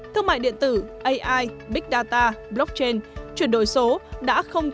thương mại điện tử ai big data blockchain chuyển đổi số đã không